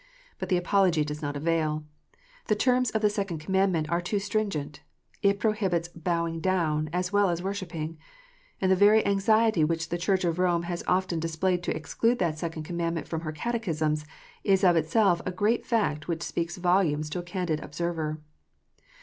But the apology does not avail. The terms of the second commandment are too stringent. It prohibits lowing down, as well as worshipping. And the very anxiety which the Church of Rome has often displayed to exclude that second commandment from her catechisms, is of itself a great fact which speaks volumes to a candid observer.